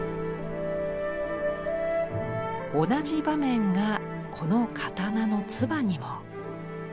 同じ場面がこの刀の鐔にも。